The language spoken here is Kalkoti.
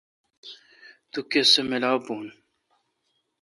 تو کسہ ملاپ بھو ۔